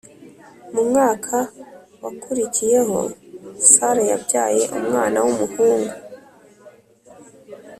Mu mwaka wakurikiyeho Sara yabyaye umwana w umuhungu